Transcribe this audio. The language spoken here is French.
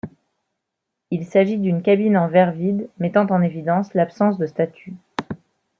Il s'agit d'une cabine en verre vide, mettant en évidence l'absence de statue.